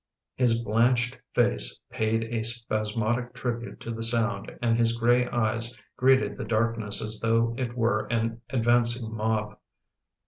His blanched face paid a spasmodic tribute to the sound and his grey eyes greeted the darkness as though it were an advancing mob.